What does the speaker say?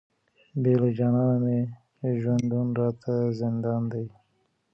بې له جانانه مي ژوندون راته زندان دی،